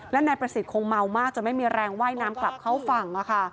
และนายประสิทธิ์คงเมามากจนไม่มีแรงว่ายน้ำกลับเข้าฝั่ง